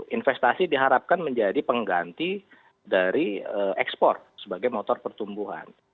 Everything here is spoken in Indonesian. investasi diharapkan menjadi pengganti dari ekspor sebagai motor pertumbuhan